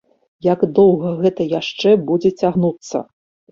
Як доўга гэта яшчэ будзе цягнуцца?